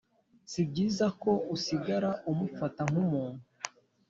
si byiza ko usigara umufata nk’umuntu